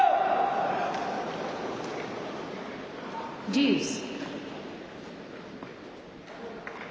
デュース。